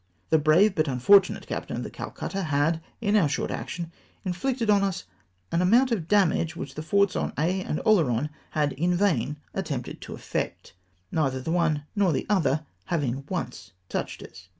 The brave, but unfortunate, captain of the Calcutta had, in om' short action, in flicted on us an amount of damage which the forts on Aix and Oleron had in vain attempted to effect ; neither the one nor the other having once touched us.